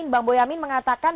bang boyamin mengatakan